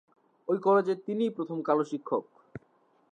ঐ কলেজের তিনিই প্রথম কালো শিক্ষক।